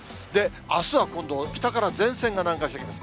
あすは今度、北から前線が南下してきます。